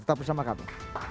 tetap bersama kami